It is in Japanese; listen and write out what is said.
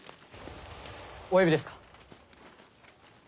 お呼びですか？